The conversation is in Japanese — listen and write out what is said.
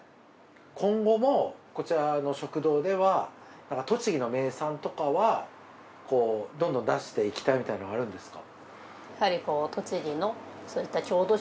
今後もこちらの食堂では栃木の名産とかはどんどん出していきたいみたいなのはあるんですか？